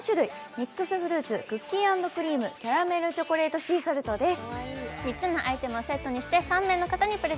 ミックスフルーツ、クッキー＆クリーム、キャラメルチョコレートシーソルトです。